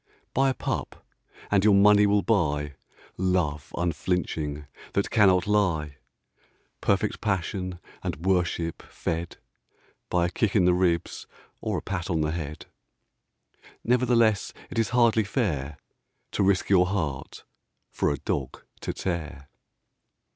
Buy a pup and your money will buy Love unflinching that cannot lie Perfect passion and worship fed By a kick in the ribs or a pat on the head. Nevertheless it is hardly fair To risk your heart for a dog to tear.